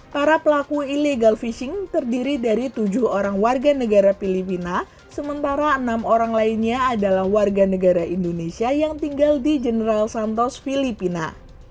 para pelaku illegal fishing terdiri dari tujuh orang warga negara filipina sementara enam orang lainnya adalah warga negara indonesia yang tinggal di general santos filipina